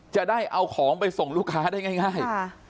จะได้เอาของไปส่งลูกค้าได้ง่าย